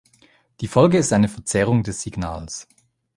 Die Folge ist eine Verzerrung des Signals.